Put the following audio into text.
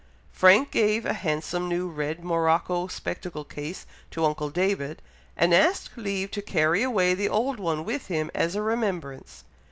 Frank gave a handsome new red morocco spectacle case to uncle David, and asked leave to carry away the old one with him as a remembrance.